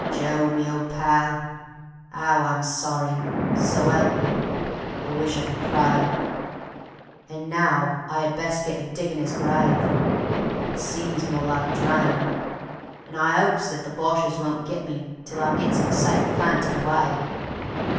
Joe, me old pal, 'ow I'm sorry; so 'elp me, I wish I could pray. An' now I 'ad best get a diggin' 'is grave (it seems more like a drain) And I 'opes that the Boches won't git me till I gits 'im safe planted away.